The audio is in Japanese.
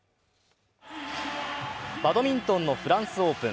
バドミントンのフランスオープン。